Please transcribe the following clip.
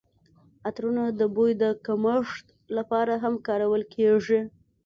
عطرونه د بوی د کمښت لپاره هم کارول کیږي.